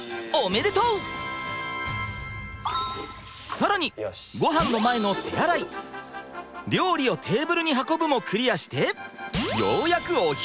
更にごはんの前の「手洗い」「料理をテーブルに運ぶ」もクリアしてようやくお昼。